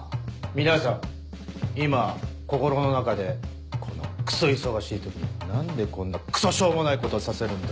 皆さん今心の中で「このクソ忙しい時に何でこんなクソしょうもないことをさせるんだ